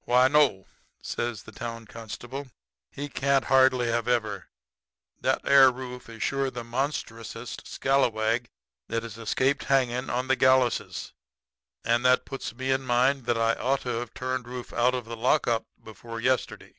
"'Why, no,' says the town constable, 'he can't hardly have ever. That air Rufe is shore the monstrousest scalawag that has escaped hangin' on the galluses. And that puts me in mind that I ought to have turned Rufe out of the lockup before yesterday.